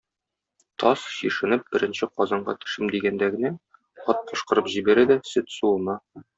Таз, чишенеп, беренче казанга төшим дигәндә генә, ат пошкырып җибәрә, дә, сөт суына.